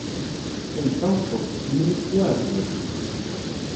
kemm d tameṭṭut, kemmini tettwaɛezleḍ.